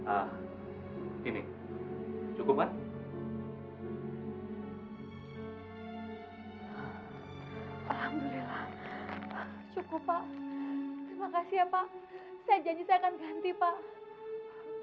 alhamdulillah cukup pak makasih ya pak saya janji saya akan ganti pak